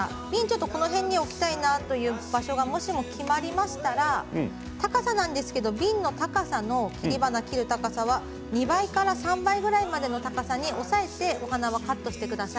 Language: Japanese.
この辺に置きたいなという場所が決まりましたら高さなんですが瓶の高さの切り花を切る高さは２倍から３倍ぐらいまでの高さに抑えてお花をカットしてください。